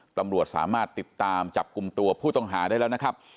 ตำรวจสามารถติดตามจับกลุ่มตัวผู้ต้องหาได้แล้วนะครับ